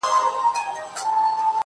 او خپل سر يې د لينگو پر آمسا کښېښود.